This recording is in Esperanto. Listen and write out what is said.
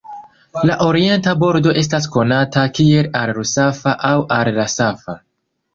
La orienta bordo estas konata kiel Al-Rusafa aŭ Al-Rasafa.